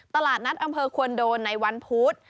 ตลาดนัดอำเภอควรโดนในวันพุธ